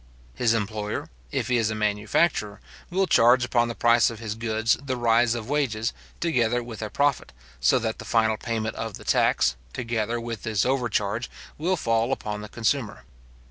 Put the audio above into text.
His employer, if he is a manufacturer, will charge upon the price of his goods the rise of wages, together with a profit, so that the final payment of the tax, together with this overcharge, will fall upon the consumer.